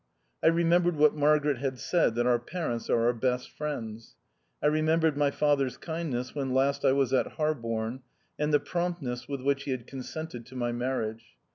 I remembered what Margaret had said, that " our parents are our best friends." I remembered my father's kindness when last I was at Harborne, and the promptness with which he had consented to mv mar riage.